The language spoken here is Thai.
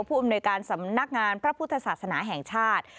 อำนวยการสำนักงานพระพุทธศาสนาแห่งชาติ